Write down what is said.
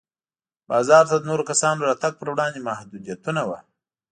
بازار ته د نورو کسانو راتګ پر وړاندې محدودیتونه وو.